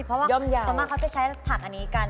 เพราะว่าเขามากจะใช้ผักอันนี้กัน